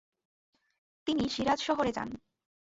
তিনি শিরাজ শহরে যান।